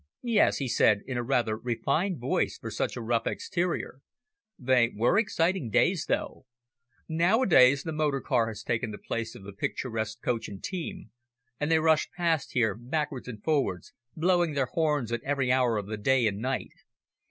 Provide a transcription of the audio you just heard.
"Yes," he said, in a rather refined voice for such a rough exterior, "they were exciting days, those. Nowadays the motor car has taken the place of the picturesque coach and team, and they rush past here backwards and forwards, blowing their horns at every hour of the day and night.